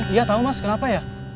iya tahu mas kenapa ya